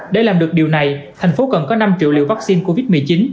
để làm được điều này thành phố cần có năm triệu liều vaccine covid một mươi chín